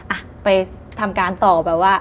อ่ะไปทำการต่อแบบว่า